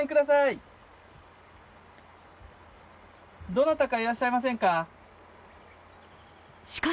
どなたかいらっしゃいませんか？